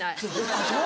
あっそう。